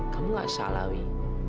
kamu nggak salah wi